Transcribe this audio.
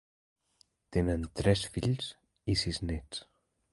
Tenen tres fills i sis nets.